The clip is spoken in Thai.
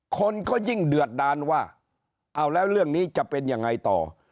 คนก็ยิ่งเดือดดานว่าเอาแล้วเรื่องนี้จะเป็นยังไงต่อ